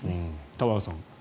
玉川さん。